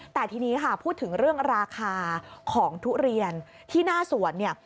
แต่ทีนี้ค่ะพูดถึงเรื่องราคาของทุเรียนที่หน้าสวนเนี่ย